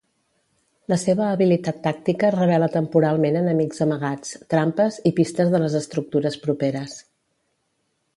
La seva habilitat tàctica revela temporalment enemics amagats, trampes i pistes de les estructures properes.